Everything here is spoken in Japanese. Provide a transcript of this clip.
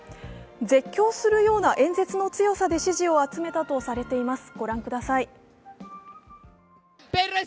絶叫するような演説の強さで支持を集めたとされています。